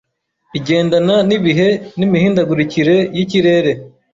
Igendana n’Ibihe n’Imihindagurikire y’Ikirere